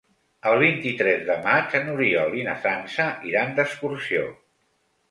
El vint-i-tres de maig n'Oriol i na Sança iran d'excursió.